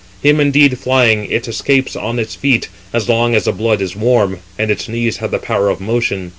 Him indeed, flying, it escapes on its feet, as long as the blood is warm, and its knees have the power of motion.